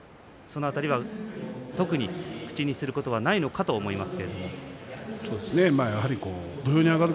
その辺り、特に気にすることはないと思います。